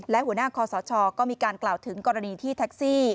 และหัวหน้าคอสชก็มีการกล่าวถึงกรณีที่แท็กซี่